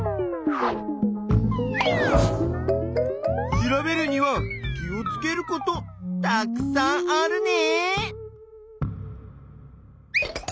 調べるには気をつけることたくさんあるね！